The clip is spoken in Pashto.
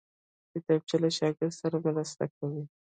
کتابچه له شاګرد سره مرسته کوي